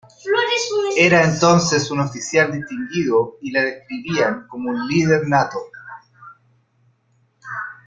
Era entonces un oficial distinguido y le describían como un líder nato.